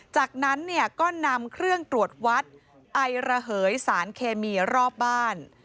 จากนั้นเนี่ยก็นำเครื่องตรวจวัดไอระเหยสารเคมีรอบบ้าน